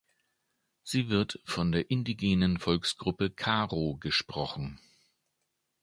Sie wird von der indigenen Volksgruppe Karo gesprochen.